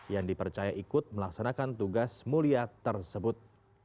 yang dipercaya ikut melaksanakan tugas mulia tersebut